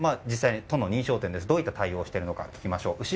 実際に都の認証店でどういった対応をしているのか聞きましょう。